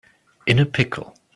In a pickle